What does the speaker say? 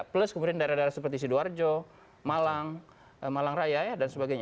plus kemudian daerah daerah seperti sidoarjo malang malang raya dan sebagainya